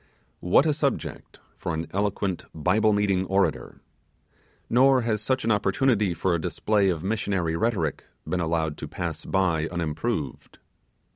What a subject for an eloquent Bible meeting orator! Nor has such an opportunity for a display of missionary rhetoric been allowed to pass by unimproved!